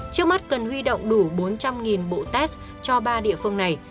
trước mắt cần huy động đủ bốn trăm linh bộ test cho ba địa phương này